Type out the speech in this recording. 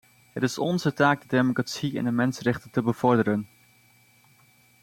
Het is onze taak de democratie en de mensenrechten te bevorderen.